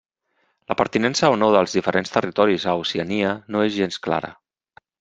La pertinença o no dels diferents territoris a Oceania no és gens clara.